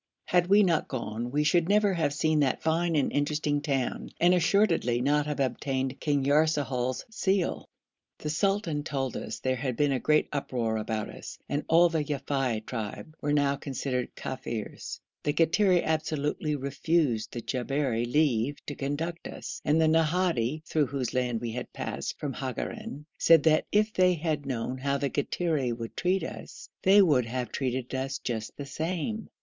Had we not gone we should never have seen that fine and interesting town, and assuredly not have obtained King Yarsahal's seal. The sultan told us there had been a great uproar about us, and all the Yafei tribe were now considered Kafirs. The Kattiri absolutely refused the Jabberi leave to conduct us, and the Nahadi, through whose lands we had passed from Hagarein, said that if they had known how the Kattiri would treat us, they would have treated us just the same.